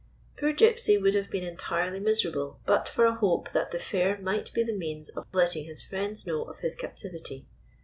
Poor Gypsy would have been entirely miser able but for a hope that the Fair might be the means of letting his friends know of his captiv ity.